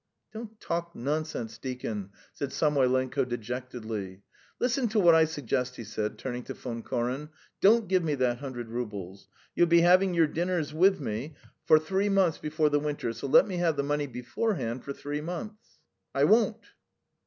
"Don't talk nonsense, deacon," said Samoylenko dejectedly. "Listen to what I suggest," he said, turning to Von Koren. "Don't give me that hundred roubles. You'll be having your dinners with me for three months before the winter, so let me have the money beforehand for three months." "I won't."